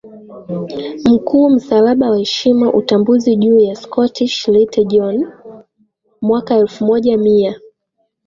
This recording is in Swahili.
Mkuu Msalaba wa heshima utambuzi juu ya Scottish Rite John mwaka elfu moja mia